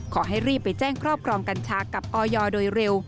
ขอให้รีบไปแจ้งครอบครองกัญชากับออยโดยเร็ว